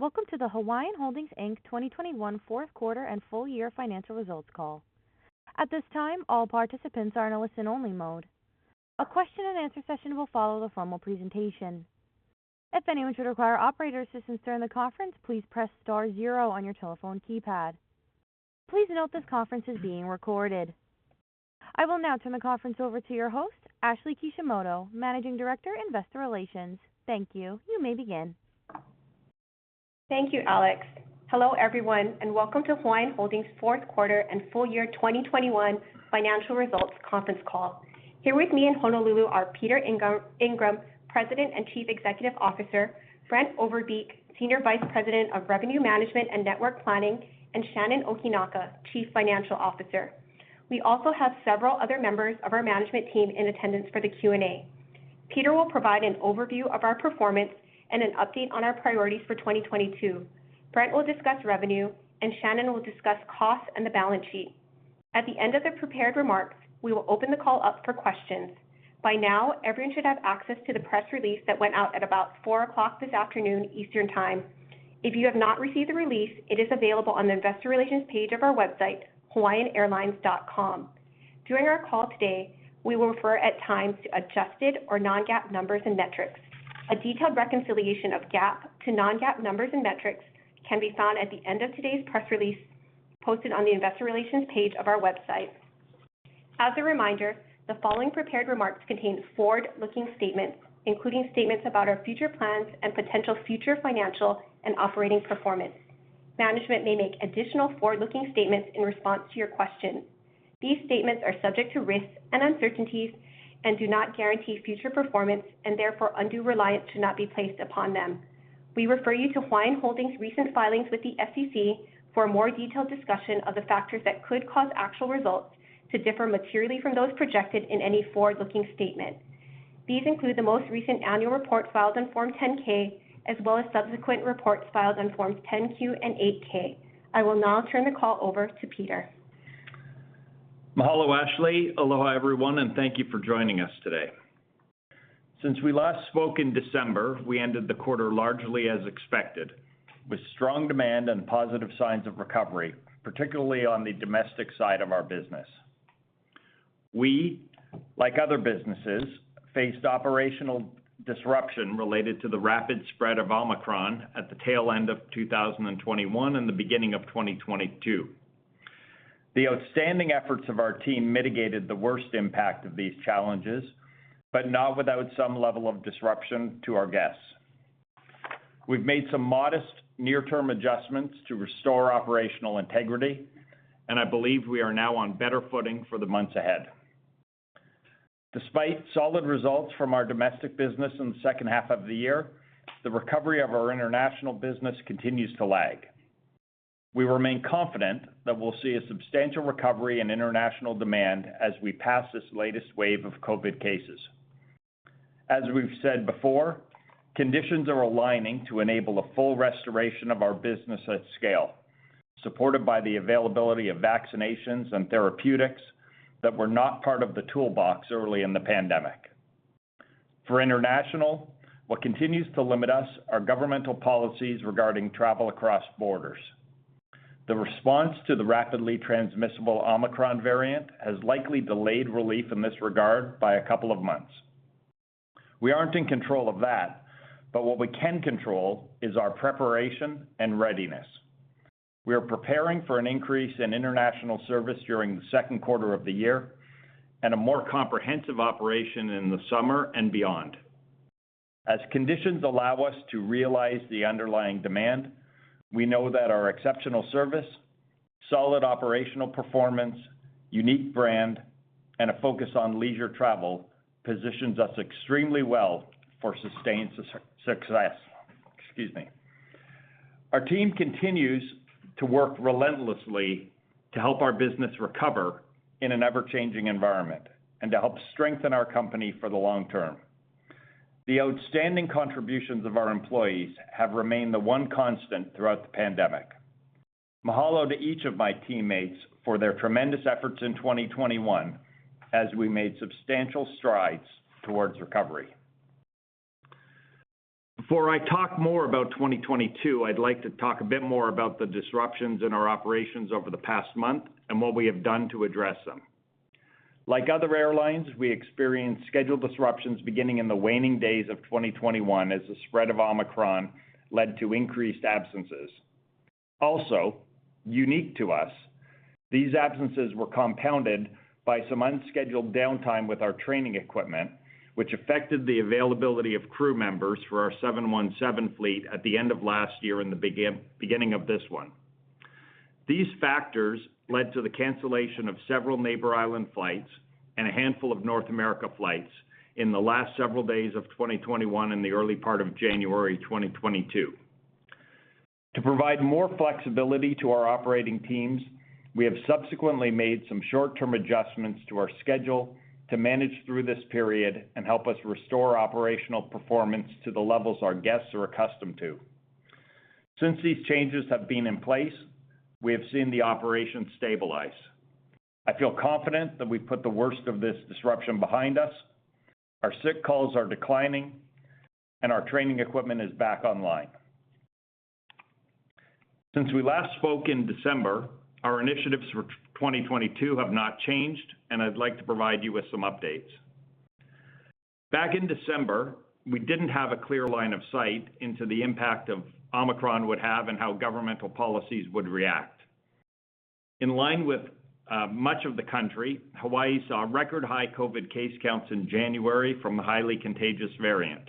Welcome to the Hawaiian Holdings, Inc. 2021 fourth quarter and full year financial results call. At this time, all participants are in a listen-only mode. A question and answer session will follow the formal presentation. If anyone should require operator assistance during the conference, please press star zero on your telephone keypad. Please note this conference is being recorded. I will now turn the conference over to your host, Ashlee Kishimoto, Managing Director, Investor Relations. Thank you. You may begin. Thank you, Alex. Hello, everyone, and welcome to Hawaiian Holdings fourth quarter and full year 2021 financial results conference call. Here with me in Honolulu are Peter Ingram, President and Chief Executive Officer, Brent Overbeek, Senior Vice President of Revenue Management and Network Planning, and Shannon Okinaka, Chief Financial Officer. We also have several other members of our management team in attendance for the Q&A. Peter will provide an overview of our performance and an update on our priorities for 2022. Brent will discuss revenue, and Shannon will discuss costs and the balance sheet. At the end of the prepared remarks, we will open the call up for questions. By now, everyone should have access to the press release that went out at about 4:00 P.M. this afternoon, Eastern Time. If you have not received the release, it is available on the investor relations page of our website, hawaiianairlines.com. During our call today, we will refer at times to adjusted or non-GAAP numbers and metrics. A detailed reconciliation of GAAP to non-GAAP numbers and metrics can be found at the end of today's press release posted on the investor relations page of our website. As a reminder, the following prepared remarks contain forward-looking statements, including statements about our future plans and potential future financial and operating performance. Management may make additional forward-looking statements in response to your questions. These statements are subject to risks and uncertainties and do not guarantee future performance and therefore undue reliance should not be placed upon them. We refer you to Hawaiian Holdings recent filings with the SEC for a more detailed discussion of the factors that could cause actual results to differ materially from those projected in any forward-looking statement. These include the most recent annual report filed in Form 10-K, as well as subsequent reports filed in Forms 10-Q and 8-K. I will now turn the call over to Peter. Mahalo, Ashlee. Aloha, everyone, and thank you for joining us today. Since we last spoke in December, we ended the quarter largely as expected, with strong demand and positive signs of recovery, particularly on the domestic side of our business. We, like other businesses, faced operational disruption related to the rapid spread of Omicron at the tail end of 2021 and the beginning of 2022. The outstanding efforts of our team mitigated the worst impact of these challenges, but not without some level of disruption to our guests. We've made some modest near-term adjustments to restore operational integrity, and I believe we are now on better footing for the months ahead. Despite solid results from our domestic business in the second half of the year, the recovery of our international business continues to lag. We remain confident that we'll see a substantial recovery in international demand as we pass this latest wave of COVID cases. As we've said before, conditions are aligning to enable a full restoration of our business at scale, supported by the availability of vaccinations and therapeutics that were not part of the toolbox early in the pandemic. For international, what continues to limit us are governmental policies regarding travel across borders. The response to the rapidly transmissible Omicron variant has likely delayed relief in this regard by a couple of months. We aren't in control of that, but what we can control is our preparation and readiness. We are preparing for an increase in international service during the second quarter of the year and a more comprehensive operation in the summer and beyond. As conditions allow us to realize the underlying demand, we know that our exceptional service, solid operational performance, unique brand, and a focus on leisure travel positions us extremely well for sustained success. Excuse me. Our team continues to work relentlessly to help our business recover in an ever-changing environment and to help strengthen our company for the long term. The outstanding contributions of our employees have remained the one constant throughout the pandemic. Mahalo to each of my teammates for their tremendous efforts in 2021 as we made substantial strides towards recovery. Before I talk more about 2022, I'd like to talk a bit more about the disruptions in our operations over the past month and what we have done to address them. Like other airlines, we experienced schedule disruptions beginning in the waning days of 2021 as the spread of Omicron led to increased absences. Also, unique to us, these absences were compounded by some unscheduled downtime with our training equipment, which affected the availability of crew members for our 717 fleet at the end of last year and the beginning of this one. These factors led to the cancellation of several Neighbor Island flights and a handful of North America flights in the last several days of 2021 and the early part of January 2022. To provide more flexibility to our operating teams, we have subsequently made some short-term adjustments to our schedule to manage through this period and help us restore operational performance to the levels our guests are accustomed to. Since these changes have been in place, we have seen the operation stabilize. I feel confident that we've put the worst of this disruption behind us. Our sick calls are declining, and our training equipment is back online. Since we last spoke in December, our initiatives for 2022 have not changed, and I'd like to provide you with some updates. Back in December, we didn't have a clear line of sight into the impact Omicron would have and how governmental policies would react. In line with much of the country, Hawaii saw record high COVID case counts in January from a highly contagious variant.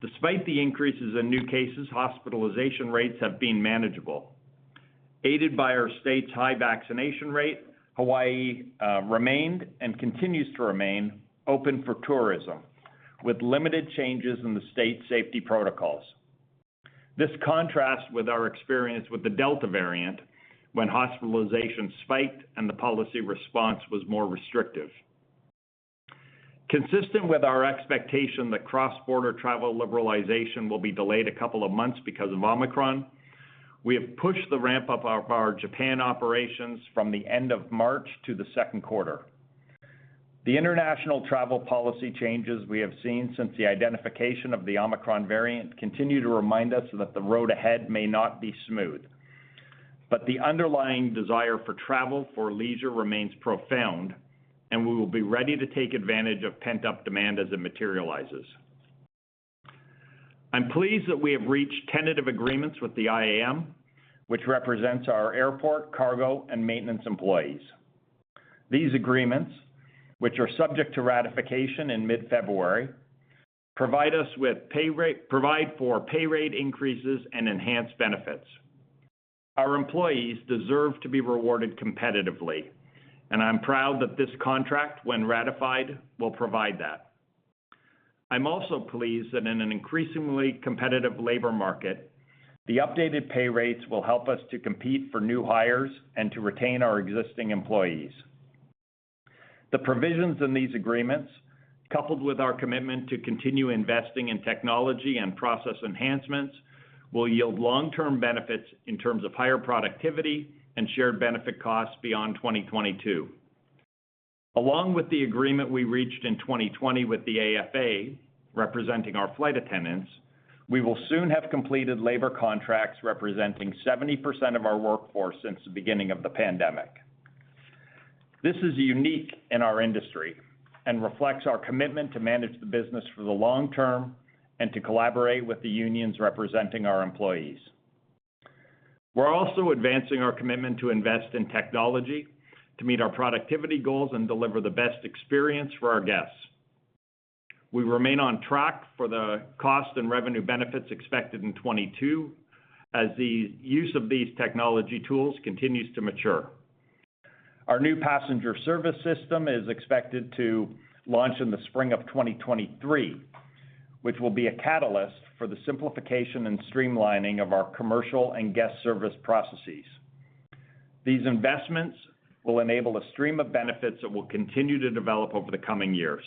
Despite the increases in new cases, hospitalization rates have been manageable. Aided by our state's high vaccination rate, Hawaii remained and continues to remain open for tourism, with limited changes in the state safety protocols. This contrasts with our experience with the Delta variant, when hospitalizations spiked and the policy response was more restrictive. Consistent with our expectation that cross-border travel liberalization will be delayed a couple of months because of Omicron, we have pushed the ramp-up of our Japan operations from the end of March to the second quarter. The international travel policy changes we have seen since the identification of the Omicron variant continue to remind us that the road ahead may not be smooth. The underlying desire for travel for leisure remains profound, and we will be ready to take advantage of pent-up demand as it materializes. I'm pleased that we have reached tentative agreements with the IAM, which represents our airport, cargo, and maintenance employees. These agreements, which are subject to ratification in mid-February, provide for pay rate increases and enhanced benefits. Our employees deserve to be rewarded competitively, and I'm proud that this contract, when ratified, will provide that. I'm also pleased that in an increasingly competitive labor market, the updated pay rates will help us to compete for new hires and to retain our existing employees. The provisions in these agreements, coupled with our commitment to continue investing in technology and process enhancements, will yield long-term benefits in terms of higher productivity and shared benefit costs beyond 2022. Along with the agreement we reached in 2020 with the AFA, representing our flight attendants, we will soon have completed labor contracts representing 70% of our workforce since the beginning of the pandemic. This is unique in our industry and reflects our commitment to manage the business for the long term and to collaborate with the unions representing our employees. We're also advancing our commitment to invest in technology to meet our productivity goals and deliver the best experience for our guests. We remain on track for the cost and revenue benefits expected in 2022 as the use of these technology tools continues to mature. Our new passenger service system is expected to launch in the spring of 2023, which will be a catalyst for the simplification and streamlining of our commercial and guest service processes. These investments will enable a stream of benefits that will continue to develop over the coming years.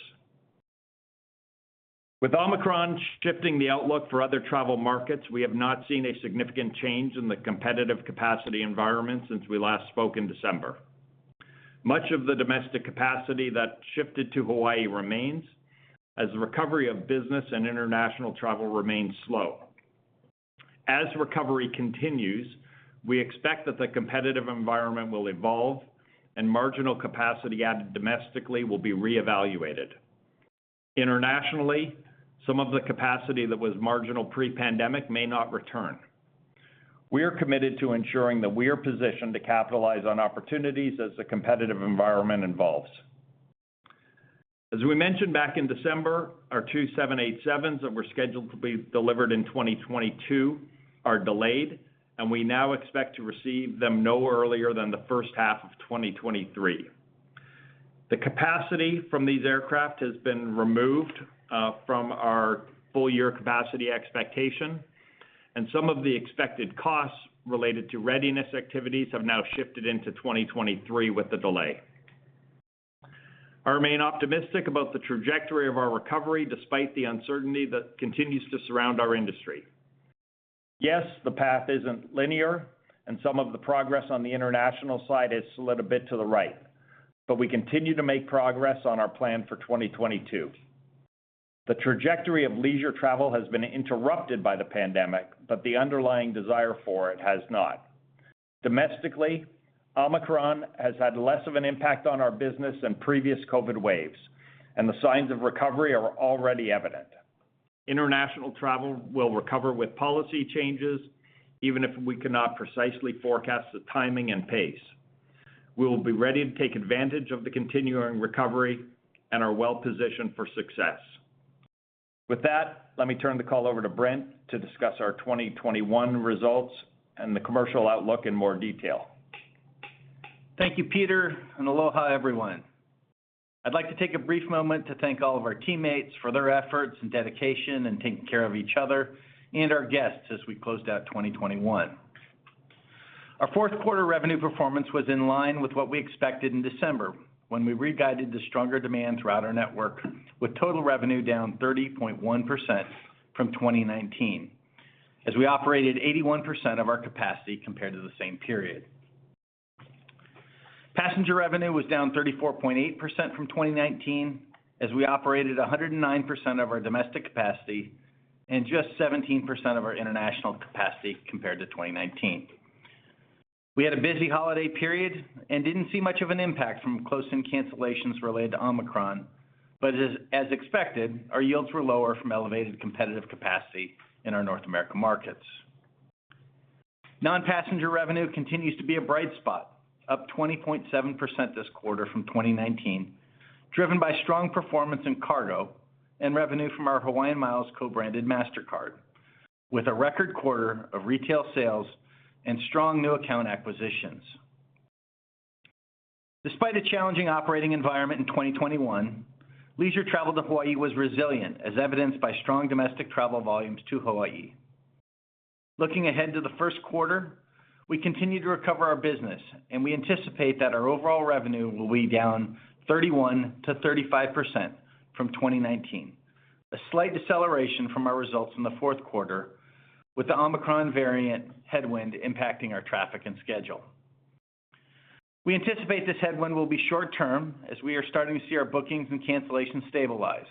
With Omicron shifting the outlook for other travel markets, we have not seen a significant change in the competitive capacity environment since we last spoke in December. Much of the domestic capacity that shifted to Hawaii remains, as the recovery of business and international travel remains slow. As recovery continues, we expect that the competitive environment will evolve and marginal capacity added domestically will be reevaluated. Internationally, some of the capacity that was marginal pre-pandemic may not return. We are committed to ensuring that we are positioned to capitalize on opportunities as the competitive environment evolves. As we mentioned back in December, our two 787s that were scheduled to be delivered in 2022 are delayed, and we now expect to receive them no earlier than the first half of 2023. The capacity from these aircraft has been removed from our full-year capacity expectation, and some of the expected costs related to readiness activities have now shifted into 2023 with the delay. I remain optimistic about the trajectory of our recovery despite the uncertainty that continues to surround our industry. Yes, the path isn't linear, and some of the progress on the international side has slid a bit to the right, but we continue to make progress on our plan for 2022. The trajectory of leisure travel has been interrupted by the pandemic, but the underlying desire for it has not. Domestically, Omicron has had less of an impact on our business than previous COVID waves, and the signs of recovery are already evident. International travel will recover with policy changes, even if we cannot precisely forecast the timing and pace. We will be ready to take advantage of the continuing recovery and are well positioned for success. With that, let me turn the call over to Brent to discuss our 2021 results and the commercial outlook in more detail. Thank you, Peter, and aloha, everyone. I'd like to take a brief moment to thank all of our teammates for their efforts and dedication and taking care of each other and our guests as we closed out 2021. Our fourth quarter revenue performance was in line with what we expected in December when we reguided the stronger demand throughout our network with total revenue down 30.1% from 2019 as we operated 81% of our capacity compared to the same period. Passenger revenue was down 34.8% from 2019 as we operated 109% of our domestic capacity and just 17% of our international capacity compared to 2019. We had a busy holiday period and didn't see much of an impact from close-in cancellations related to Omicron. As expected, our yields were lower from elevated competitive capacity in our North America markets. Non-passenger revenue continues to be a bright spot, up 20.7% this quarter from 2019, driven by strong performance in cargo and revenue from our HawaiianMiles co-branded Mastercard, with a record quarter of retail sales and strong new account acquisitions. Despite a challenging operating environment in 2021, leisure travel to Hawaii was resilient, as evidenced by strong domestic travel volumes to Hawaii. Looking ahead to the first quarter, we continue to recover our business, and we anticipate that our overall revenue will be down 31%-35% from 2019. A slight deceleration from our results in the fourth quarter, with the Omicron variant headwind impacting our traffic and schedule. We anticipate this headwind will be short-term as we are starting to see our bookings and cancellations stabilize.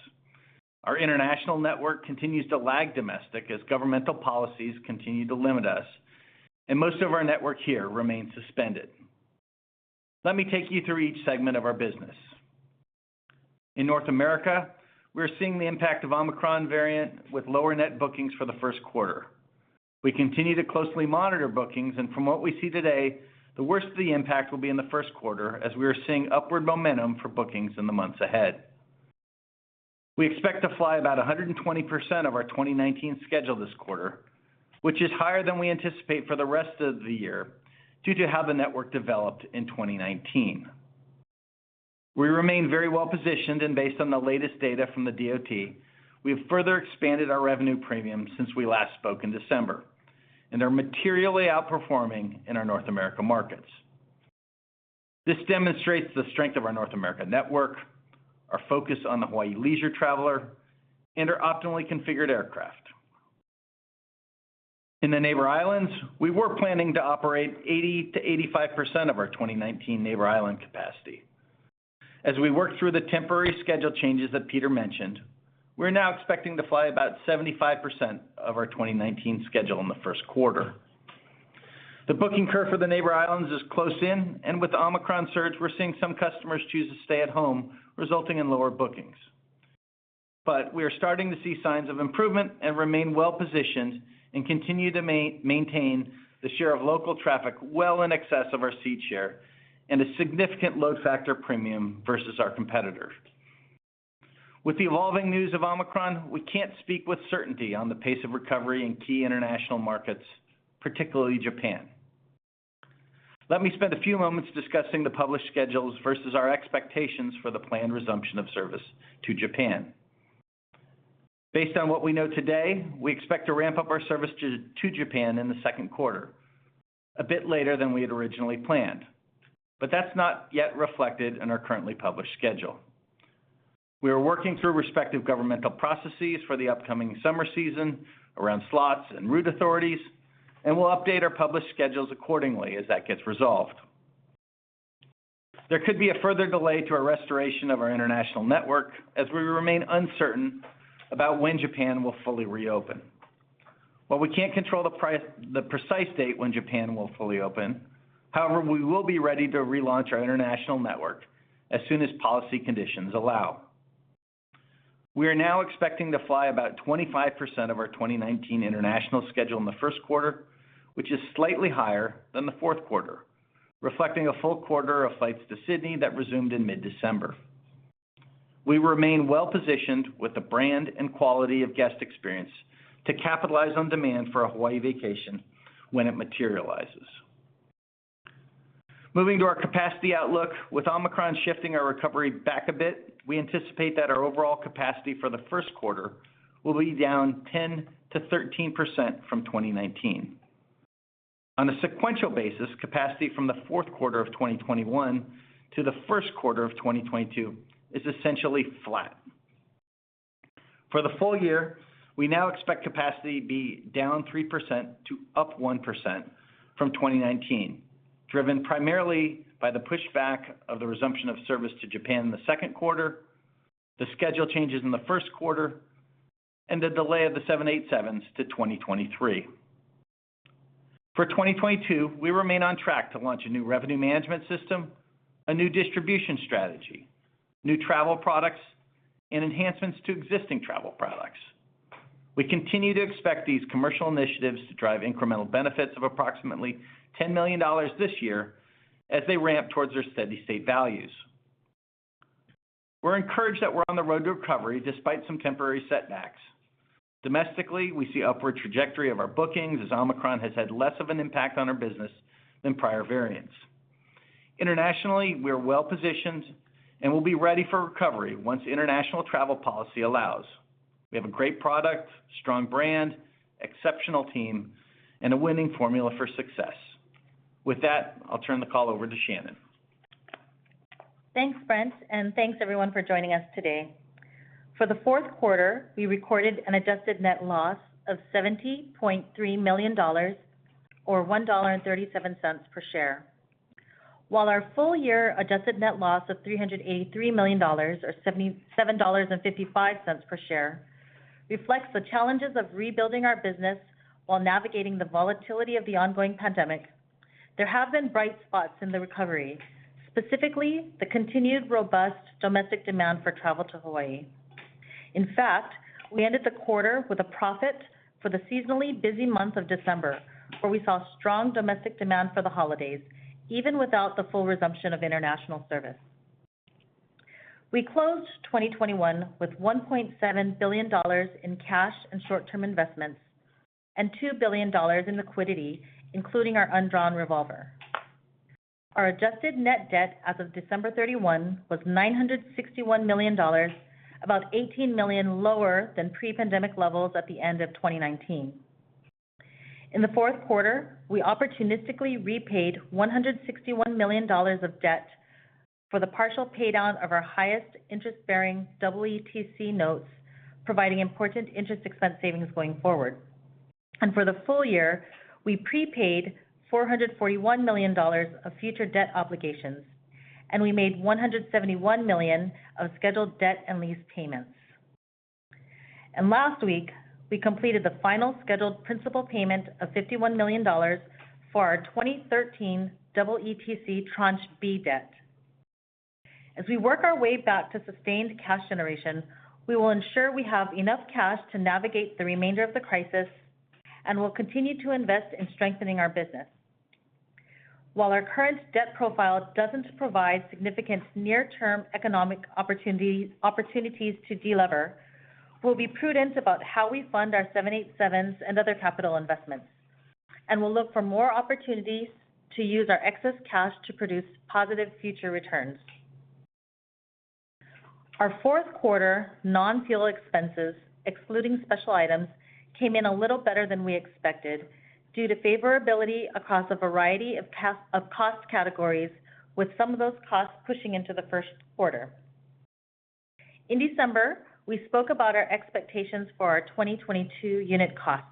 Our international network continues to lag domestic as governmental policies continue to limit us, and most of our network here remains suspended. Let me take you through each segment of our business. In North America, we're seeing the impact of Omicron variant with lower net bookings for the first quarter. We continue to closely monitor bookings, and from what we see today, the worst of the impact will be in the first quarter as we are seeing upward momentum for bookings in the months ahead. We expect to fly about 120% of our 2019 schedule this quarter, which is higher than we anticipate for the rest of the year due to how the network developed in 2019. We remain very well-positioned, and based on the latest data from the DOT, we have further expanded our revenue premium since we last spoke in December and are materially outperforming in our North America markets. This demonstrates the strength of our North America network, our focus on the Hawaii leisure traveler, and our optimally configured aircraft. In the Neighbor Islands, we were planning to operate 80%-85% of our 2019 Neighbor Island capacity. As we work through the temporary schedule changes that Peter mentioned, we're now expecting to fly about 75% of our 2019 schedule in the first quarter. The booking curve for the Neighbor Islands is close in, and with the Omicron surge, we're seeing some customers choose to stay at home, resulting in lower bookings. We are starting to see signs of improvement and remain well-positioned and continue to maintain the share of local traffic well in excess of our seat share and a significant load factor premium versus our competitors. With the evolving news of Omicron, we can't speak with certainty on the pace of recovery in key international markets, particularly Japan. Let me spend a few moments discussing the published schedules versus our expectations for the planned resumption of service to Japan. Based on what we know today, we expect to ramp up our service to Japan in the second quarter, a bit later than we had originally planned. That's not yet reflected in our currently published schedule. We are working through respective governmental processes for the upcoming summer season around slots and route authorities, and we'll update our published schedules accordingly as that gets resolved. There could be a further delay to our restoration of our international network as we remain uncertain about when Japan will fully reopen. While we can't control the precise date when Japan will fully open, however, we will be ready to relaunch our international network as soon as policy conditions allow. We are now expecting to fly about 25% of our 2019 international schedule in the first quarter, which is slightly higher than the fourth quarter, reflecting a full quarter of flights to Sydney that resumed in mid-December. We remain well-positioned with the brand and quality of guest experience to capitalize on demand for a Hawaii vacation when it materializes. Moving to our capacity outlook, with Omicron shifting our recovery back a bit, we anticipate that our overall capacity for the first quarter will be down 10%-13% from 2019. On a sequential basis, capacity from the fourth quarter of 2021 to the first quarter of 2022 is essentially flat. For the full year, we now expect capacity to be down 3% to up 1% from 2019, driven primarily by the pushback of the resumption of service to Japan in the second quarter, the schedule changes in the first quarter, and the delay of the 787s to 2023. For 2022, we remain on track to launch a new revenue management system, a new distribution strategy, new travel products, and enhancements to existing travel products. We continue to expect these commercial initiatives to drive incremental benefits of approximately $10 million this year as they ramp towards their steady-state values. We're encouraged that we're on the road to recovery despite some temporary setbacks. Domestically, we see upward trajectory of our bookings as Omicron has had less of an impact on our business than prior variants. Internationally, we are well-positioned and will be ready for recovery once international travel policy allows. We have a great product, strong brand, exceptional team, and a winning formula for success. With that, I'll turn the call over to Shannon. Thanks, Brent, and thanks everyone for joining us today. For the fourth quarter, we recorded an adjusted net loss of $70.3 million or $1.37 per share. While our full-year adjusted net loss of $383 million or $7.55 per share reflects the challenges of rebuilding our business while navigating the volatility of the ongoing pandemic, there have been bright spots in the recovery, specifically the continued robust domestic demand for travel to Hawaii. In fact, we ended the quarter with a profit for the seasonally busy month of December, where we saw strong domestic demand for the holidays, even without the full resumption of international service. We closed 2021 with $1.7 billion in cash and short-term investments and $2 billion in liquidity, including our undrawn revolver. Our adjusted net debt as of December 31 was $961 million, about $18 million lower than pre-pandemic levels at the end of 2019. In the fourth quarter, we opportunistically repaid $161 million of debt for the partial paid down of our highest interest-bearing EETC notes, providing important interest expense savings going forward. For the full year, we prepaid $441 million of future debt obligations, and we made $171 million of scheduled debt and lease payments. Last week, we completed the final scheduled principal payment of $51 million for our 2013 EETC Tranche B debt. As we work our way back to sustained cash generation, we will ensure we have enough cash to navigate the remainder of the crisis and will continue to invest in strengthening our business. While our current debt profile doesn't provide significant near-term economic opportunities to delever, we'll be prudent about how we fund our 787s and other capital investments, and we'll look for more opportunities to use our excess cash to produce positive future returns. Our fourth quarter non-fuel expenses, excluding special items, came in a little better than we expected due to favorability across a variety of cost categories, with some of those costs pushing into the first quarter. In December, we spoke about our expectations for our 2022 unit costs.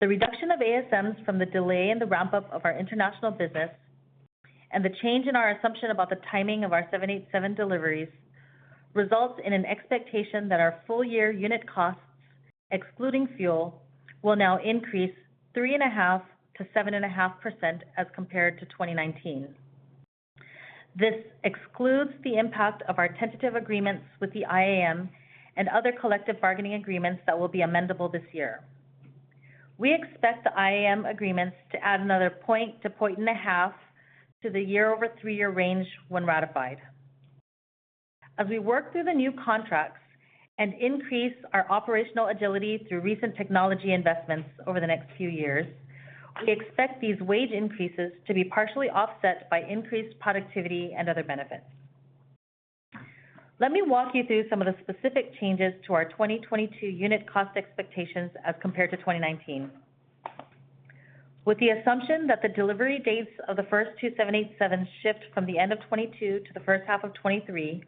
The reduction of ASMs from the delay in the ramp-up of our international business and the change in our assumption about the timing of our 787 deliveries results in an expectation that our full-year unit costs, excluding fuel, will now increase 3.5%-7.5% as compared to 2019. This excludes the impact of our tentative agreements with the IAM and other collective bargaining agreements that will be amendable this year. We expect the IAM agreements to add another 1-1.5 points to the year-over-year range when ratified. As we work through the new contracts and increase our operational agility through recent technology investments over the next few years, we expect these wage increases to be partially offset by increased productivity and other benefits. Let me walk you through some of the specific changes to our 2022 unit cost expectations as compared to 2019. With the assumption that the delivery dates of the first two 787s shift from the end of 2022 to the first half of 2023,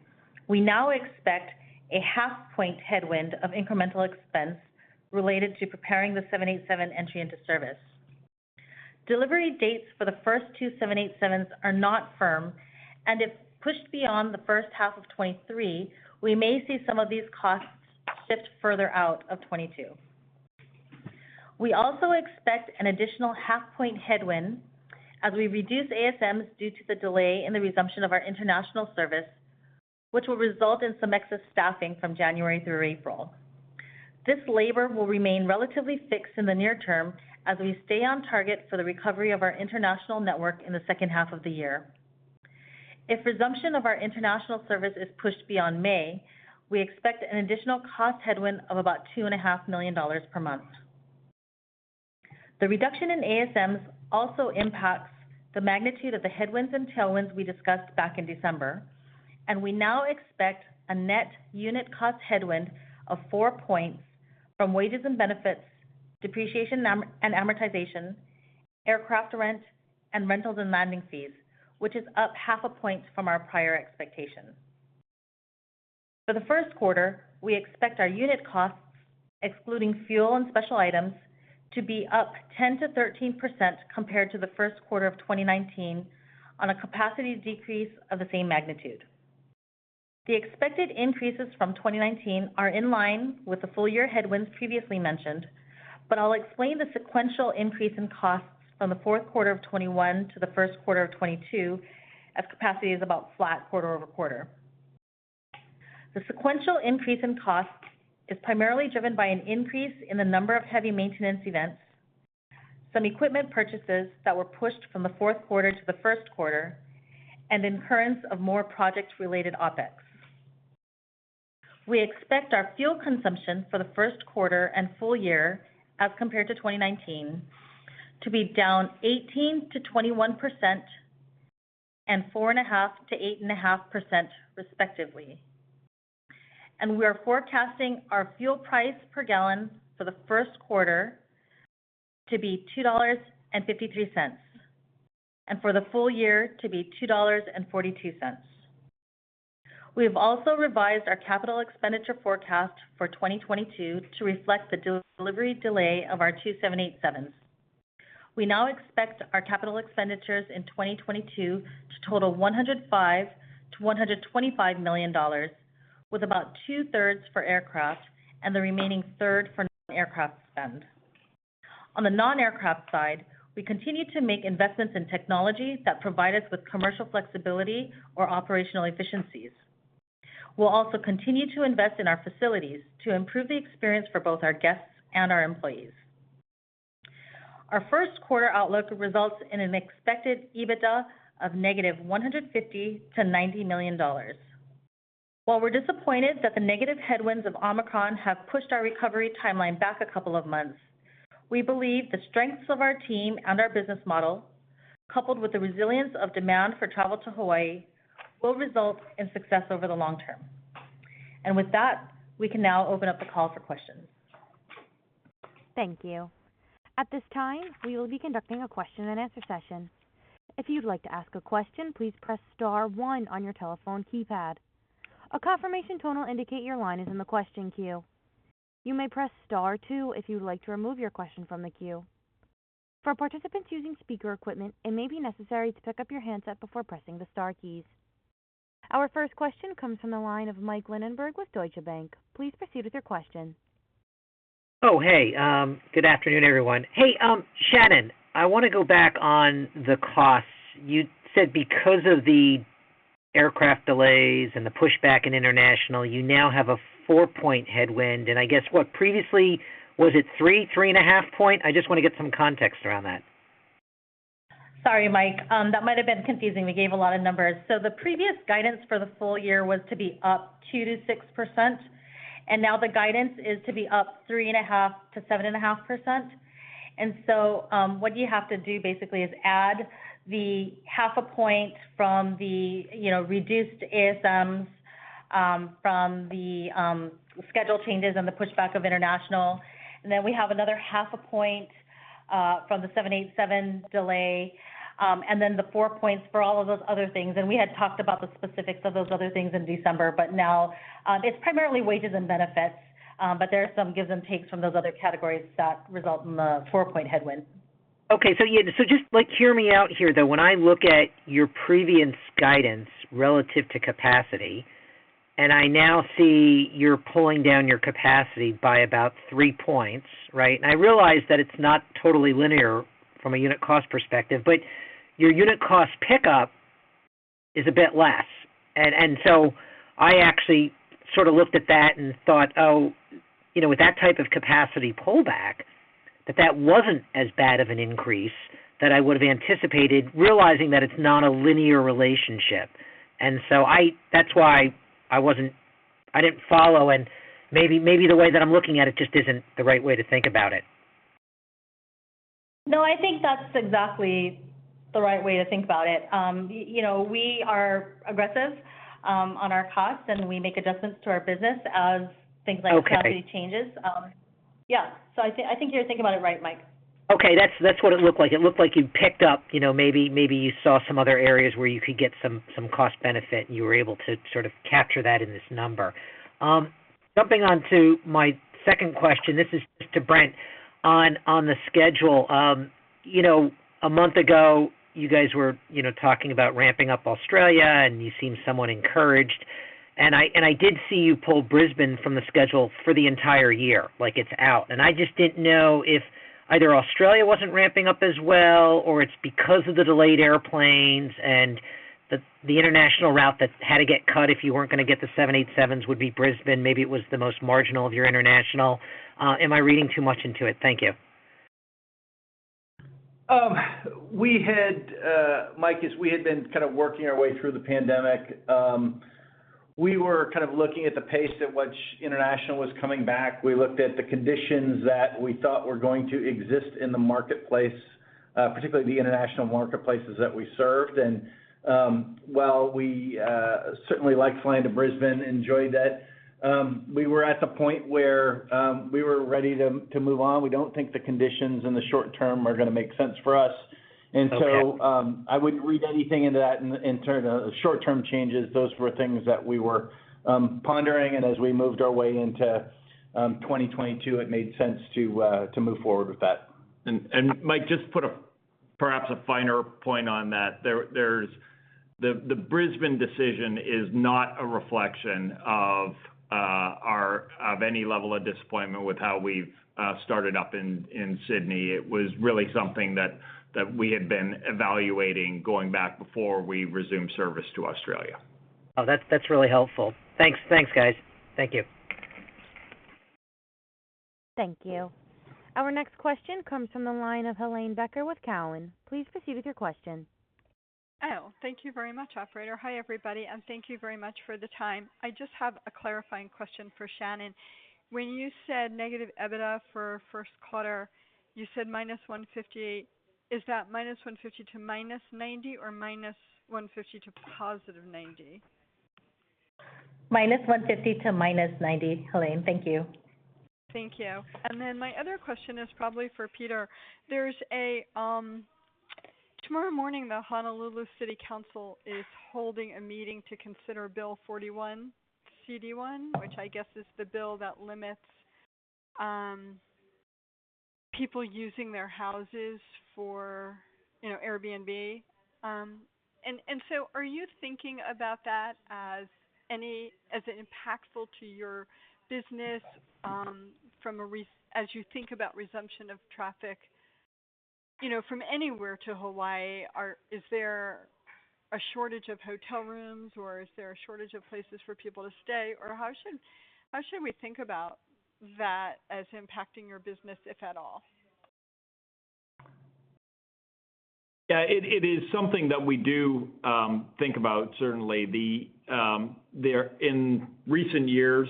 we now expect a half-point headwind of incremental expense related to preparing the 787 entry into service. Delivery dates for the first two 787s are not firm, and if pushed beyond the first half of 2023, we may see some of these costs shift further out of 2022. We also expect an additional half-point headwind as we reduce ASMs due to the delay in the resumption of our international service, which will result in some excess staffing from January through April. This labor will remain relatively fixed in the near term as we stay on target for the recovery of our international network in the second half of the year. If resumption of our international service is pushed beyond May, we expect an additional cost headwind of about $2.5 million per month. The reduction in ASMs also impacts the magnitude of the headwinds and tailwinds we discussed back in December, and we now expect a net unit cost headwind of 4 points from wages and benefits, depreciation and amortization, aircraft rent, and rentals and landing fees, which is up 0.5 point from our prior expectations. For the first quarter, we expect our unit costs, excluding fuel and special items, to be up 10%-13% compared to the first quarter of 2019 on a capacity decrease of the same magnitude. The expected increases from 2019 are in line with the full-year headwinds previously mentioned, but I'll explain the sequential increase in costs from the fourth quarter of 2021 to the first quarter of 2022 as capacity is about flat quarter over quarter. The sequential increase in costs is primarily driven by an increase in the number of heavy maintenance events, some equipment purchases that were pushed from the fourth quarter to the first quarter, and incurrence of more project-related OpEx. We expect our fuel consumption for the first quarter and full year as compared to 2019 to be down 18%-21% and 4.5%-8.5% respectively. We are forecasting our fuel price per gallon for the first quarter to be $2.53, and for the full year to be $2.42. We have also revised our capital expenditure forecast for 2022 to reflect the delivery delay of our 787s. We now expect our capital expenditures in 2022 to total $105 million-$125 million, with about two-thirds for aircraft and the remaining third for non-aircraft spend. On the non-aircraft side, we continue to make investments in technology that provide us with commercial flexibility or operational efficiencies. We'll also continue to invest in our facilities to improve the experience for both our guests and our employees. Our first quarter outlook results in an expected EBITDA of negative $150 million to $90 million. While we're disappointed that the negative headwinds of Omicron have pushed our recovery timeline back a couple of months, we believe the strengths of our team and our business model, coupled with the resilience of demand for travel to Hawaii, will result in success over the long term. With that, we can now open up the call for questions. Thank you. At this time, we will be conducting a question-and-answer session. If you'd like to ask a question, please press star one on your telephone keypad. A confirmation tone will indicate your line is in the question queue. You may press star two if you'd like to remove your question from the queue. For participants using speaker equipment, it may be necessary to pick up your handset before pressing the star keys. Our first question comes from the line of Mike Linenberg with Deutsche Bank. Please proceed with your question. Oh, hey, good afternoon, everyone. Hey, Shannon, I wanna go back on the costs. You said because of the aircraft delays and the pushback in international, you now have a 4-point headwind, and I guess, what previously was it 3.5 point? I just wanna get some context around that. Sorry, Mike. That might have been confusing. We gave a lot of numbers. The previous guidance for the full year was to be up 2%-6%, and now the guidance is to be up 3.5%-7.5%. What you have to do basically is add the half a point from the, you know, reduced ASMs from the schedule changes and the pushback of international. We have another half a point from the 787 delay, and the four points for all of those other things. We had talked about the specifics of those other things in December, but now it's primarily wages and benefits, but there are some gives and takes from those other categories that result in the four-point headwind. Okay. Yeah, just like hear me out here, though. When I look at your previous guidance relative to capacity, and I now see you're pulling down your capacity by about 3%, right? I realize that it's not totally linear from a unit cost perspective, but your unit cost pickup is a bit less. So I actually sort of looked at that and thought, oh, you know, with that type of capacity pullback that wasn't as bad of an increase that I would have anticipated, realizing that it's not a linear relationship. That's why I didn't follow, and maybe the way that I'm looking at it just isn't the right way to think about it. No, I think that's exactly the right way to think about it. You know, we are aggressive on our costs, and we make adjustments to our business as things like Okay. Capacity changes. Yeah. I think you're thinking about it right, Mike. Okay. That's what it looked like. It looked like you picked up, you know, maybe you saw some other areas where you could get some cost benefit, and you were able to sort of capture that in this number. Jumping on to my second question. This is to Brent on the schedule. You know, a month ago, you guys were, you know, talking about ramping up Australia, and you seemed somewhat encouraged. I did see you pull Brisbane from the schedule for the entire year, like it's out. I just didn't know if either Australia wasn't ramping up as well or it's because of the delayed airplanes and the international route that had to get cut if you weren't gonna get the 787s would be Brisbane. Maybe it was the most marginal of your international. Am I reading too much into it? Thank you. We had, Mike, as we had been kind of working our way through the pandemic, we were kind of looking at the pace at which international was coming back. We looked at the conditions that we thought were going to exist in the marketplace, particularly the international marketplaces that we served. While we certainly liked flying to Brisbane, enjoyed that, we were at the point where we were ready to move on. We don't think the conditions in the short term are gonna make sense for us. Okay. I wouldn't read anything into that in terms of short-term changes. Those were things that we were pondering, and as we moved our way into 2022, it made sense to move forward with that. Mike, just put perhaps a finer point on that. The Brisbane decision is not a reflection of any level of disappointment with how we've started up in Sydney. It was really something that we had been evaluating going back before we resumed service to Australia. Oh, that's really helpful. Thanks. Thanks, guys. Thank you. Thank you. Our next question comes from the line of Helane Becker with Cowen. Please proceed with your question. Oh, thank you very much, operator. Hi, everybody, and thank you very much for the time. I just have a clarifying question for Shannon. When you said negative EBITDA for first quarter, you said -$150. Is that -$150 to -$90, or -$150 to +90? -150 to -90, Helane. Thank you. Thank you. My other question is probably for Peter. Tomorrow morning, the Honolulu City Council is holding a meeting to consider Bill 41, CD1, which I guess is the bill that limits people using their houses for, you know, Airbnb. So are you thinking about that as impactful to your business, as you think about resumption of traffic, you know, from anywhere to Hawaii, is there a shortage of hotel rooms, or is there a shortage of places for people to stay? Or how should we think about that as impacting your business, if at all? Yeah, it is something that we do think about, certainly. In recent years,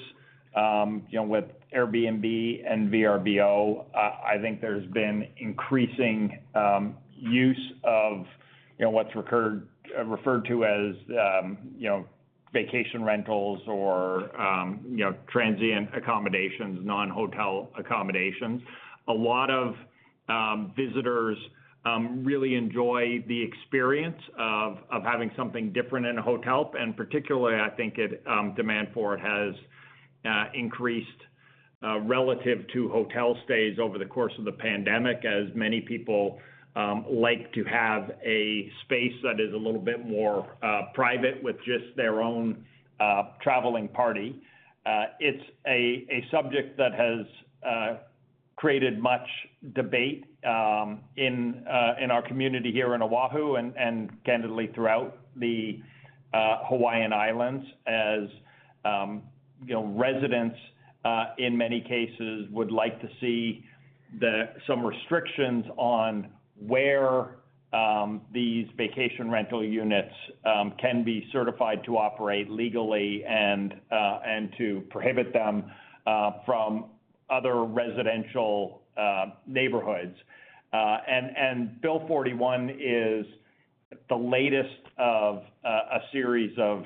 you know, with Airbnb and Vrbo, I think there's been increasing use of, you know, what's referred to as, you know, vacation rentals or, you know, transient accommodations, non-hotel accommodations. A lot of visitors really enjoy the experience of having something different in a hotel, and particularly I think its demand for it has increased relative to hotel stays over the course of the pandemic, as many people like to have a space that is a little bit more private with just their own traveling party. It's a subject that has created much debate in our community here in Oahu and candidly throughout the Hawaiian Islands as you know, residents in many cases would like to see some restrictions on where these vacation rental units can be certified to operate legally and to prohibit them from other residential neighborhoods. Bill 41 is the latest of a series of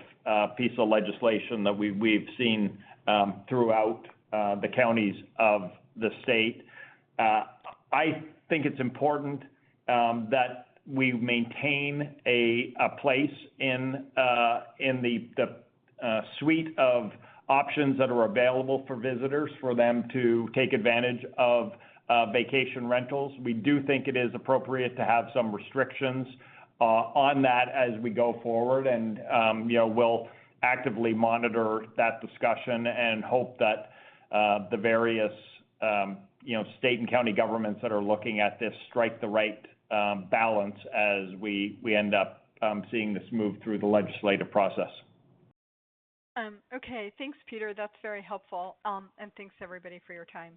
piece of legislation that we've seen throughout the counties of the state. I think it's important that we maintain a place in the suite of options that are available for visitors for them to take advantage of vacation rentals. We do think it is appropriate to have some restrictions on that as we go forward. You know, we'll actively monitor that discussion and hope that the various, you know, state and county governments that are looking at this strike the right balance as we end up seeing this move through the legislative process. Okay. Thanks, Peter. That's very helpful. Thanks everybody for your time.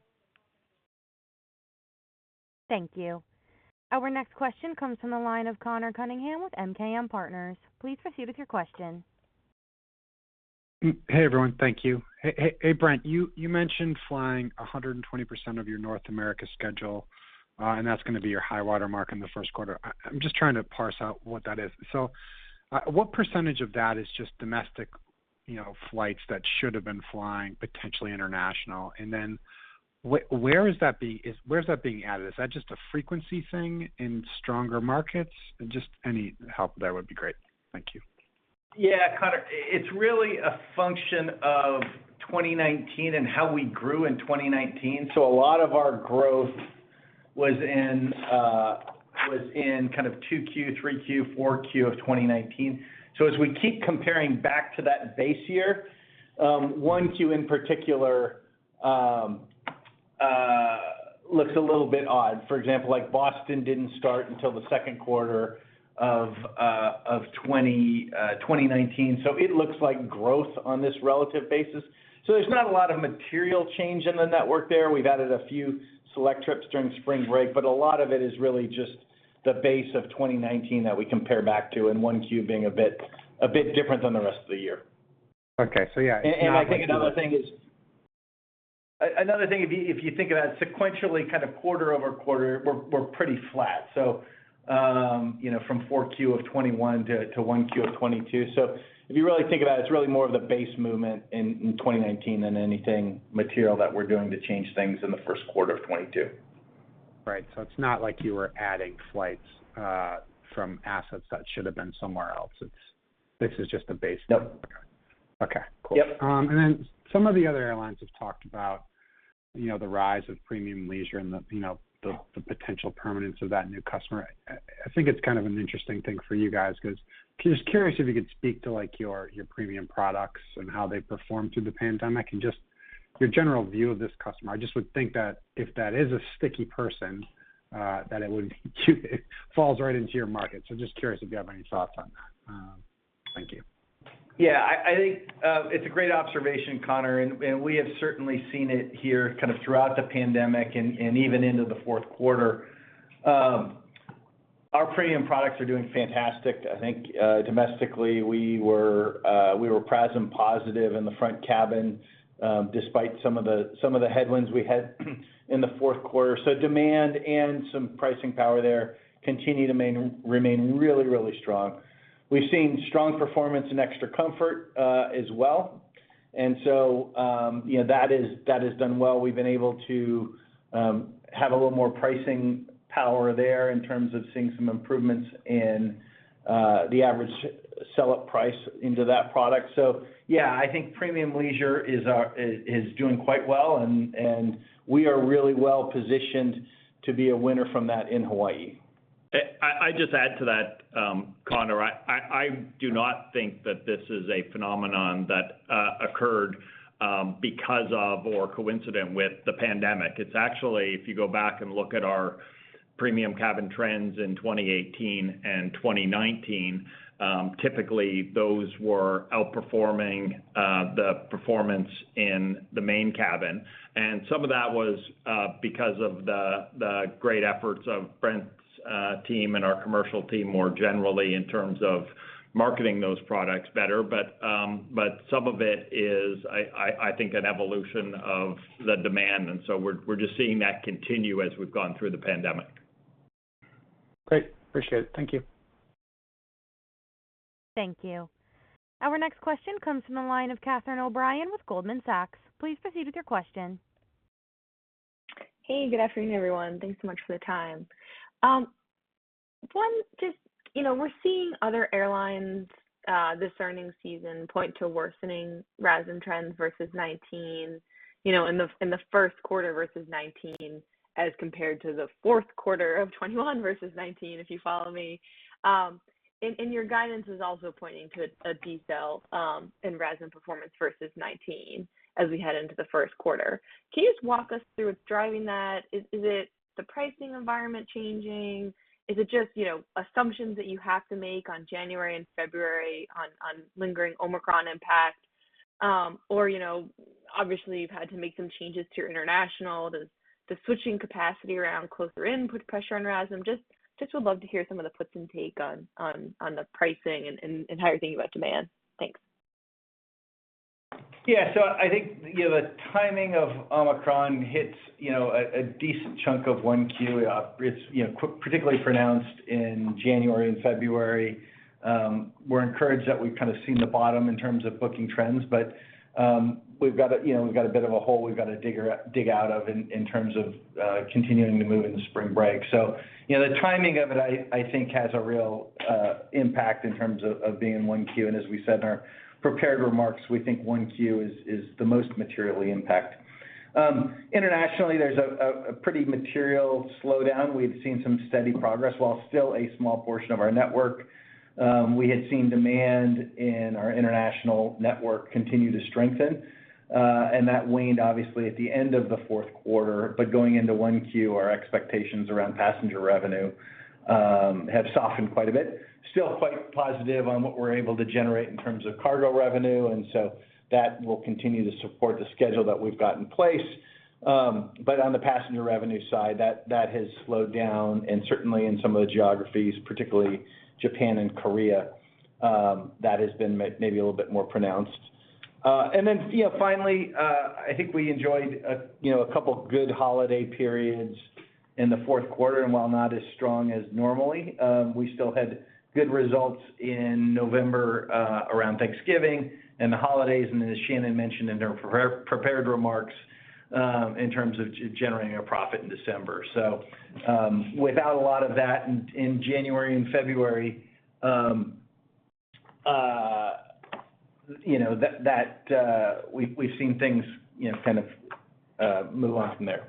Thank you. Our next question comes from the line of Conor Cunningham with MKM Partners. Please proceed with your question. Hey, everyone. Thank you. Hey, Brent, you mentioned flying 120% of your North America schedule, and that's gonna be your high-water mark in the first quarter. I'm just trying to parse out what that is. What percentage of that is just domestic, you know, flights that should have been flying potentially international? Where's that being added? Is that just a frequency thing in stronger markets? Just any help there would be great. Thank you. Yeah, Connor, it's really a function of 2019 and how we grew in 2019. A lot of our growth was in kind of 2Q, 3Q, 4Q of 2019. As we keep comparing back to that base year, 1Q in particular looks a little bit odd. For example, like Boston didn't start until the second quarter of 2019. It looks like growth on this relative basis. There's not a lot of material change in the network there. We've added a few select trips during spring break, but a lot of it is really just the base of 2019 that we compare back to, and 1Q being a bit different than the rest of the year. Okay. I think another thing if you think about sequentially kind of quarter-over-quarter, we're pretty flat. You know, from 4Q 2021 to 1Q 2022. If you really think about it's really more of the base movement in 2019 than anything material that we're doing to change things in the first quarter of 2022. Right. It's not like you were adding flights from assets that should have been somewhere else. This is just a base- Nope. Okay, cool. Yep. Then some of the other airlines have talked about, you know, the rise of premium leisure and the, you know, the potential permanence of that new customer. I think it's kind of an interesting thing for you guys, 'cause just curious if you could speak to, like, your premium products and how they performed through the pandemic and just your general view of this customer. I just would think that if that is a sticky person, that it would falls right into your market. Just curious if you have any thoughts on that. Thank you. Yeah. I think it's a great observation, Connor, and we have certainly seen it here kind of throughout the pandemic and even into the fourth quarter. Our premium products are doing fantastic. I think domestically, we were PRASM positive in the front cabin despite some of the headwinds we had in the fourth quarter. Demand and some pricing power there continue to remain really strong. We've seen strong performance in Extra Comfort as well. You know, that has done well. We've been able to have a little more pricing power there in terms of seeing some improvements in the average sell price into that product. Yeah, I think premium leisure is doing quite well and we are really well-positioned to be a winner from that in Hawaii. I just add to that, Conor. I do not think that this is a phenomenon that occurred because of or coincident with the pandemic. It's actually, if you go back and look at our premium cabin trends in 2018 and 2019, typically, those were outperforming the performance in the main cabin. Some of that was because of the great efforts of Brent's team and our commercial team more generally in terms of marketing those products better. Some of it is, I think an evolution of the demand. We're just seeing that continue as we've gone through the pandemic. Great. Appreciate it. Thank you. Thank you. Our next question comes from the line of Catherine O'Brien with Goldman Sachs. Please proceed with your question. Hey, good afternoon, everyone. Thanks so much for the time. Just, you know, we're seeing other airlines this earnings season point to worsening RASM trends versus 2019, you know, in the first quarter versus 2019 as compared to the fourth quarter of 2021 versus 2019, if you follow me. And your guidance is also pointing to a detail in RASM performance versus 2019 as we head into the first quarter. Can you just walk us through what's driving that? Is it the pricing environment changing? Is it just, you know, assumptions that you have to make on January and February on lingering Omicron impact? Or, you know, obviously, you've had to make some changes to your international. Does the switching capacity around closer in put pressure on RASM? Just would love to hear some of the puts and take on the pricing and entire thing about demand. Thanks. I think the timing of Omicron hits a decent chunk of 1Q. It's particularly pronounced in January and February. We're encouraged that we've kind of seen the bottom in terms of booking trends, but we've got a bit of a hole we've got to dig out of in terms of continuing to move into spring break. The timing of it I think has a real impact in terms of being 1Q. As we said in our prepared remarks, we think 1Q is the most materially impacted. Internationally, there's a pretty material slowdown. We've seen some steady progress, while still a small portion of our network. We had seen demand in our international network continue to strengthen, and that waned obviously at the end of the fourth quarter. Going into 1Q, our expectations around passenger revenue have softened quite a bit. Still quite positive on what we're able to generate in terms of cargo revenue, and so that will continue to support the schedule that we've got in place. On the passenger revenue side, that has slowed down. Certainly in some of the geographies, particularly Japan and Korea, that has been maybe a little bit more pronounced. You know, finally, I think we enjoyed a couple good holiday periods in the fourth quarter. While not as strong as normally, we still had good results in November, around Thanksgiving and the holidays, and then as Shannon mentioned in her prepared remarks, in terms of generating a profit in December. Without a lot of that in January and February, you know, that we've seen things, you know, kind of move on from there.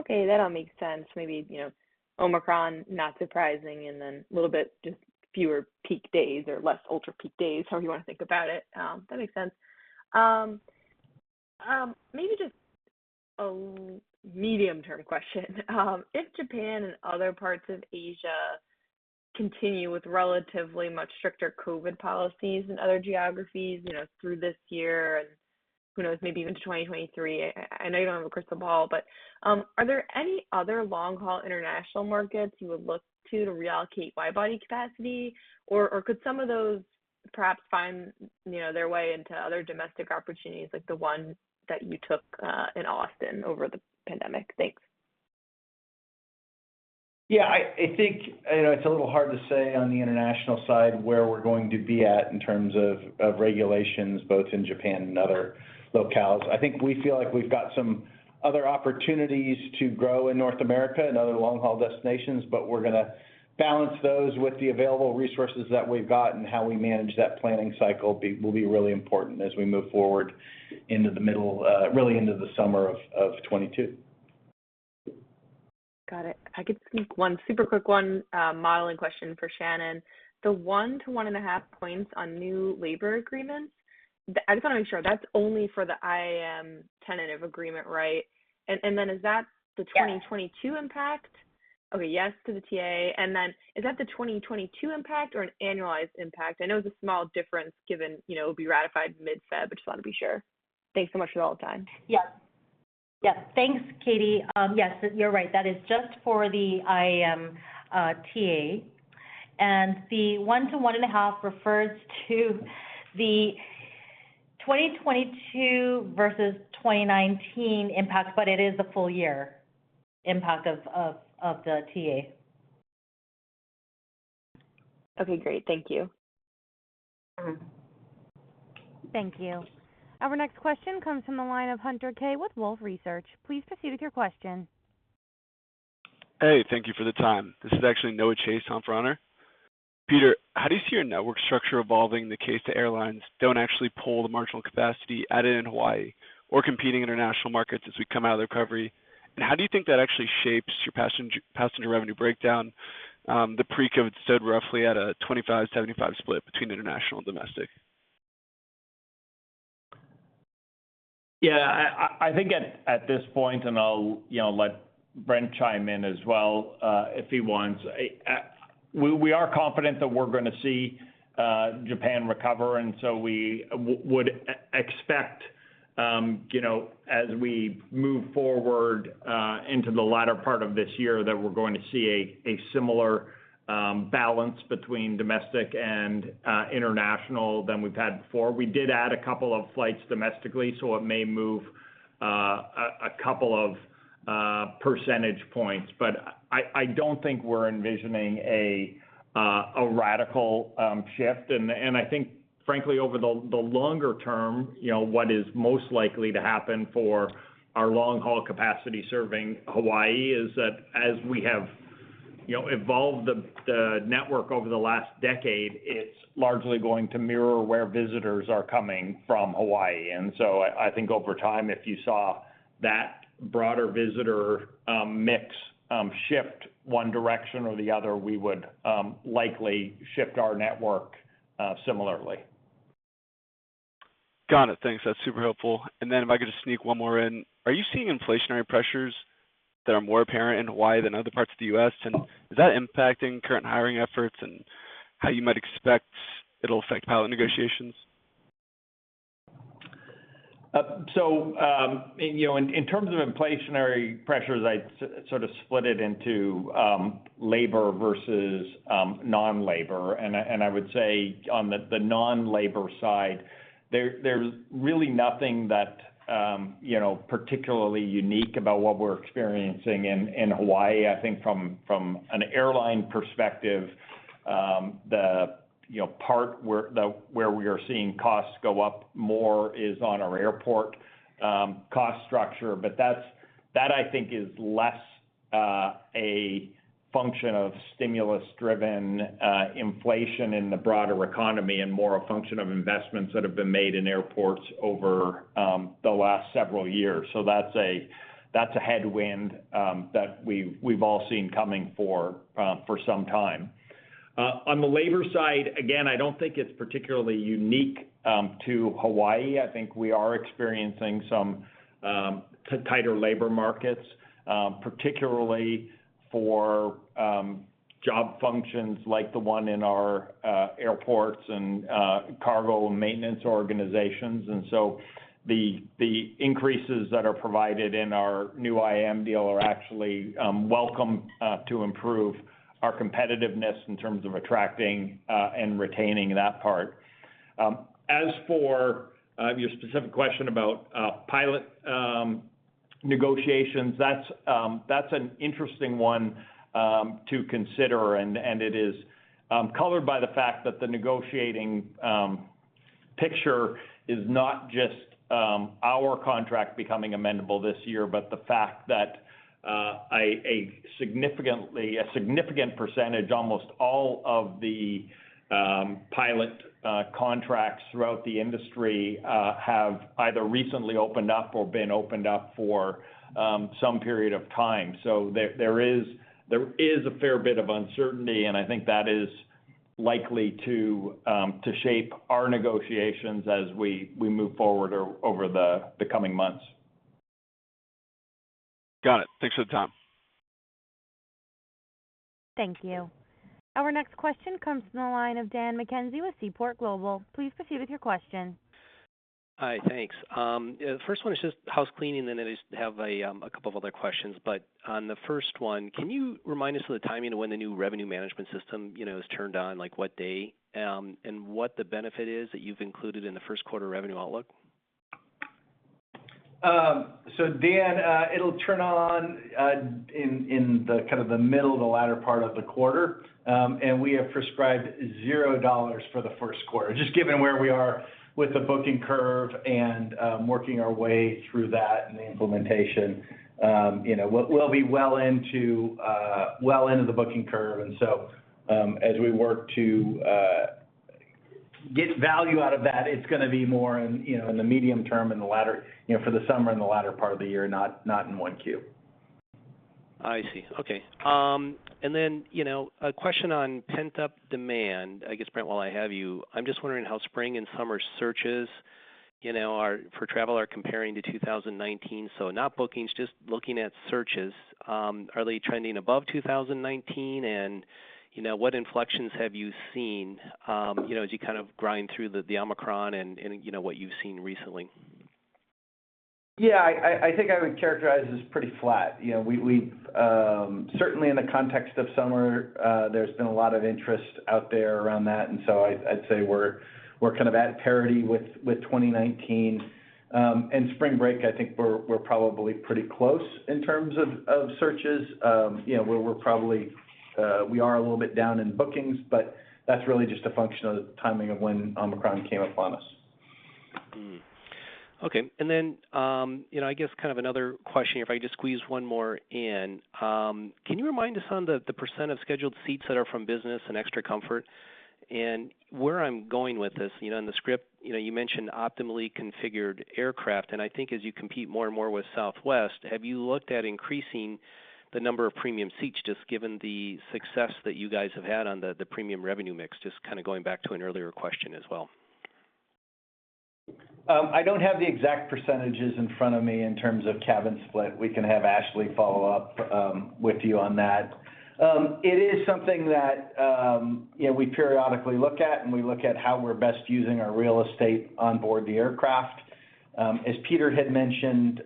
Okay, that all makes sense. Maybe, you know, Omicron, not surprising, and then a little bit just fewer peak days or less ultra peak days, however you want to think about it. That makes sense. Maybe just a medium-term question. If Japan and other parts of Asia continue with relatively much stricter COVID policies than other geographies, you know, through this year and who knows, maybe even to 2023, I know you don't have a crystal ball, but, are there any other long-haul international markets you would look to to reallocate wide-body capacity? Or could some of those perhaps find, you know, their way into other domestic opportunities like the one that you took in Austin over the pandemic? Thanks. Yeah, I think, you know, it's a little hard to say on the international side where we're going to be at in terms of regulations both in Japan and other locales. I think we feel like we've got some other opportunities to grow in North America and other long-haul destinations, but we're gonna balance those with the available resources that we've got, and how we manage that planning cycle will be really important as we move forward into the middle, really into the summer of 2022. Got it. If I could sneak one super quick one, modeling question for Shannon. The 1 to 1.5 points on new labor agreements, I just wanna make sure, that's only for the IAM tentative agreement, right? And then is that the- Yes 2022 impact? Okay. Yes to the TA. Is that the 2022 impact or an annualized impact? I know it's a small difference given, you know, it'll be ratified mid-February, but just wanted to be sure. Thanks so much for all the time. Yep. Thanks, Catie. Yes, you're right. That is just for the IAM TA. The 1-1.5 refers to the 2022 versus 2019 impact, but it is a full year impact of the TA. Okay, great. Thank you. Mm-hmm. Thank you. Our next question comes from the line of Hunter Keay with Wolfe Research. Please proceed with your question. Hey, thank you for the time. This is actually Noah Chase on for Hunter. Peter, how do you see your network structure evolving in the case that airlines don't actually pull the marginal capacity added in Hawaii or competing international markets as we come out of the recovery? How do you think that actually shapes your passenger revenue breakdown? The pre-COVID stood roughly at a 25, 75 split between international and domestic. Yeah. I think at this point, and I'll, you know, let Brent chime in as well, if he wants. We are confident that we're gonna see Japan recover, and so we would expect, you know, as we move forward, into the latter part of this year that we're going to see a similar balance between domestic and international than we've had before. We did add a couple of flights domestically, so it may move, a couple of percentage points. I don't think we're envisioning a radical shift. I think frankly over the longer term, you know, what is most likely to happen for our long-haul capacity serving Hawaii is that as we have, you know, evolved the network over the last decade, it's largely going to mirror where visitors are coming from Hawaii. I think over time, if you saw that broader visitor mix shift one direction or the other, we would likely shift our network similarly. Got it. Thanks. That's super helpful. If I could just sneak one more in. Are you seeing inflationary pressures that are more apparent in Hawaii than other parts of the U.S., and is that impacting current hiring efforts and how you might expect it'll affect pilot negotiations? In terms of inflationary pressures, I'd sort of split it into labor versus non-labor. I would say on the non-labor side, there's really nothing particularly unique about what we're experiencing in Hawaii. I think from an airline perspective, the part where we are seeing costs go up more is on our airport cost structure. That's, I think, less a function of stimulus-driven inflation in the broader economy and more a function of investments that have been made in airports over the last several years. That's a headwind that we've all seen coming for some time. On the labor side, again, I don't think it's particularly unique to Hawaii. I think we are experiencing some tighter labor markets, particularly for job functions like the one in our airports and cargo and maintenance organizations. The increases that are provided in our new IAM deal are actually welcome to improve our competitiveness in terms of attracting and retaining that part. As for your specific question about pilot negotiations, that's an interesting one to consider. It is colored by the fact that the negotiating picture is not just our contract becoming amendable this year, but the fact that a significant percentage, almost all of the pilot contracts throughout the industry, have either recently opened up or been opened up for some period of time. There is a fair bit of uncertainty, and I think that is likely to shape our negotiations as we move forward over the coming months. Got it. Thanks for the time. Thank you. Our next question comes from the line of Dan McKenzie with Seaport Global. Please proceed with your question. Hi. Thanks. The first one is just housecleaning, then I just have a couple of other questions. On the first one, can you remind us of the timing of when the new revenue management system, you know, is turned on, like what day, and what the benefit is that you've included in the first quarter revenue outlook? Dan, it'll turn on in the kind of the middle to the latter part of the quarter. We have prescribed $0 for the first quarter, just given where we are with the booking curve and working our way through that and the implementation. You know, we'll be well into the booking curve, and so as we work to get value out of that, it's gonna be more in, you know, in the medium term, in the latter, you know, for the summer and the latter part of the year, not in 1Q. I see. Okay. Then, you know, a question on pent-up demand. I guess, Brent, while I have you, I'm just wondering how spring and summer searches, you know, for travel are comparing to 2019. So not bookings, just looking at searches. Are they trending above 2019? And, you know, what inflections have you seen, you know, as you kind of grind through the Omicron and what you've seen recently? Yeah, I think I would characterize as pretty flat. You know, we certainly in the context of summer, there's been a lot of interest out there around that, and so I'd say we're kind of at parity with 2019. Spring break, I think we're probably pretty close in terms of searches. You know, we're probably we are a little bit down in bookings, but that's really just a function of the timing of when Omicron came upon us. Mm-hmm. Okay. You know, I guess kind of another question here, if I just squeeze one more in. Can you remind us on the % of scheduled seats that are from business and Extra Comfort? Where I'm going with this, you know, in the script, you know, you mentioned optimally configured aircraft, and I think as you compete more and more with Southwest, have you looked at increasing the number of premium seats, just given the success that you guys have had on the premium revenue mix? Just kind of going back to an earlier question as well. I don't have the exact percentages in front of me in terms of cabin split. We can have Ashley follow up with you on that. It is something that, you know, we periodically look at, and we look at how we're best using our real estate on board the aircraft. As Peter had mentioned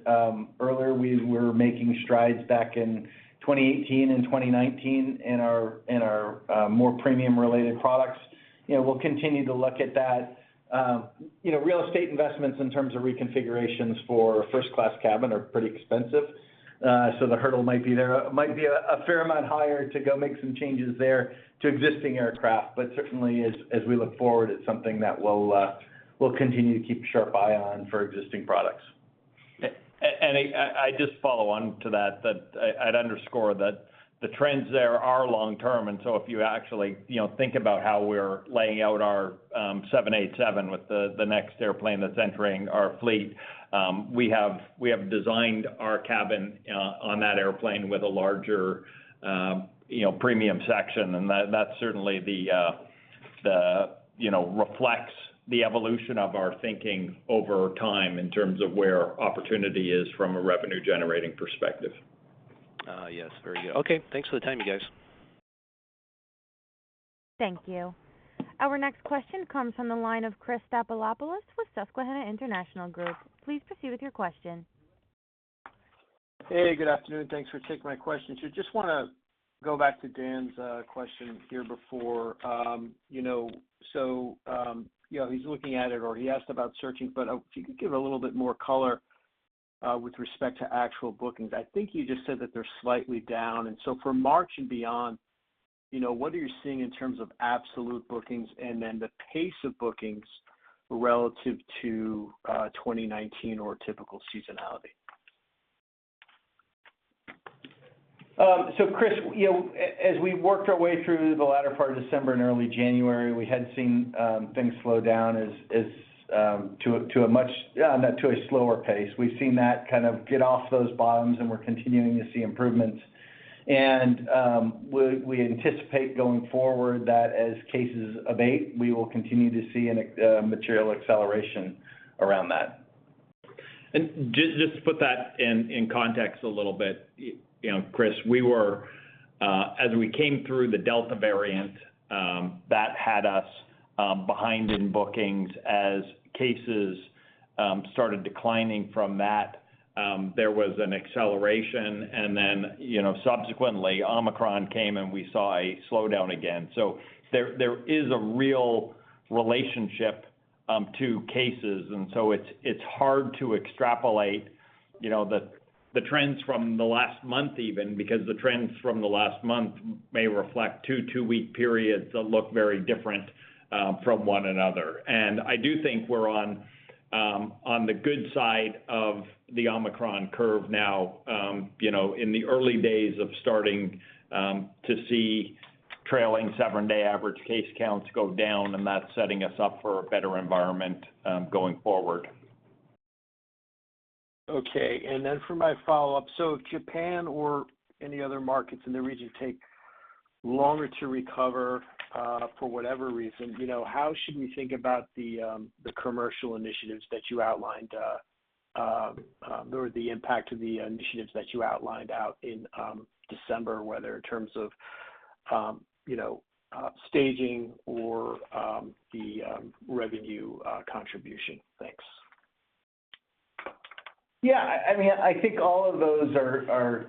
earlier, we were making strides back in 2018 and 2019 in our more premium related products. You know, we'll continue to look at that. You know, real estate investments in terms of reconfigurations for first class cabin are pretty expensive. So the hurdle might be there. It might be a fair amount higher to go make some changes there to existing aircraft, but certainly as we look forward, it's something that we'll continue to keep a sharp eye on for existing products. I just follow on to that. I'd underscore that the trends there are long-term, and so if you actually, you know, think about how we're laying out our 787 with the next airplane that's entering our fleet, we have designed our cabin on that airplane with a larger, you know, premium section. That certainly, you know, reflects the evolution of our thinking over time in terms of where opportunity is from a revenue generating perspective. Yes. Very good. Okay. Thanks for the time, you guys. Thank you. Our next question comes from the line of Chris Stathoulopoulos with Susquehanna International Group. Please proceed with your question. Hey, good afternoon. Thanks for taking my question. Just wanna go back to Dan's question here before he's looking at it or he asked about searching, but if you could give a little bit more color with respect to actual bookings. I think you just said that they're slightly down, and so for March and beyond, you know, what are you seeing in terms of absolute bookings and then the pace of bookings relative to 2019 or typical seasonality? So Chris, you know, as we worked our way through the latter part of December and early January, we had seen things slow down as to a much slower pace. We've seen that kind of get off those bottoms and we're continuing to see improvements. We anticipate going forward that as cases abate, we will continue to see a material acceleration around that. Just to put that in context a little bit, you know, Chris, we were, as we came through the Delta variant, that had us behind in bookings as cases started declining from that, there was an acceleration and then, you know, subsequently Omicron came, and we saw a slowdown again. There is a real relationship to cases. It's hard to extrapolate, you know, the trends from the last month even because the trends from the last month may reflect two-week periods that look very different from one another. I do think we're on the good side of the Omicron curve now, you know, in the early days of starting to see trailing seven-day average case counts go down, and that's setting us up for a better environment going forward. Okay. For my follow-up, if Japan or any other markets in the region take longer to recover, for whatever reason, you know, how should we think about the commercial initiatives that you outlined, or the impact of the initiatives that you outlined out in December, whether in terms of, you know, staging or the revenue contribution. Thanks. Yeah, I mean, I think all of those are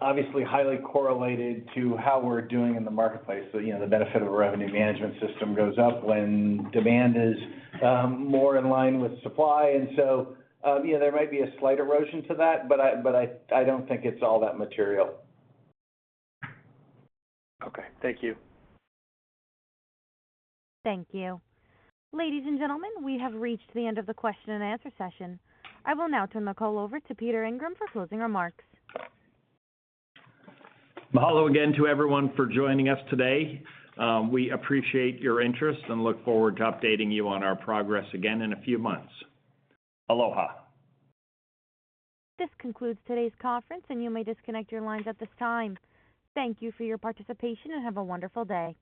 obviously highly correlated to how we're doing in the marketplace. You know, the benefit of a revenue management system goes up when demand is more in line with supply. You know, there might be a slight erosion to that, but I don't think it's all that material. Okay. Thank you. Thank you. Ladies and gentlemen, we have reached the end of the question and answer session. I will now turn the call over to Peter Ingram for closing remarks. Mahalo again to everyone for joining us today. We appreciate your interest and look forward to updating you on our progress again in a few months. Aloha. This concludes today's conference, and you may disconnect your lines at this time. Thank you for your participation, and have a wonderful day.